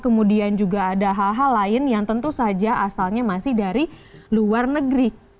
kemudian juga ada hal hal lain yang tentu saja asalnya masih dari luar negeri